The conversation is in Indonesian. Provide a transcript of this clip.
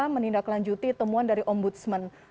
menindaklanjuti temuan dari om budsman